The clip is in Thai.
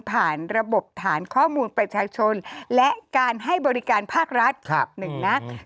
ผ่านระบบฐานข้อมูลประชาชนและการให้บริการภาครัฐ๑นัก